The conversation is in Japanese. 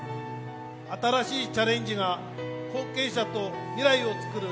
新しいチャレンジが後継者と未来を創る。